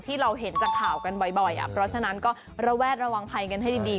ที่เราเห็นจากข่าวกันบ่อยเพราะฉะนั้นก็ระแวดระวังภัยกันให้ดี